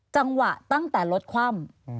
จังหวะตั้งแต่รถคว่ำ